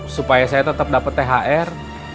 supaya saya tetap dapat thr